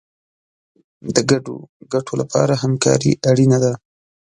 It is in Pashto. د ګډو ګټو لپاره همکاري اړینه ده.